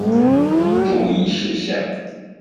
注意事項